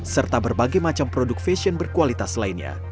serta berbagai macam produk fashion berkualitas lainnya